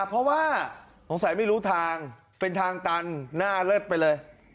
เพราะว่าสงสัยไม่รู้ทางเป็นทางตันหน้าเลิศไปเลย